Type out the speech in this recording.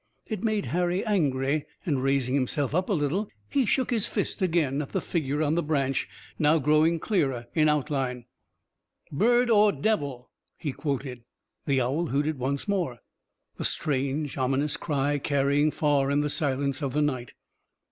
It made Harry angry, and, raising himself up a little, he shook his fist again at the figure on the branch, now growing clearer in outline. "'Bird or devil?'" he quoted. The owl hooted once more, the strange ominous cry carrying far in the silence of the night.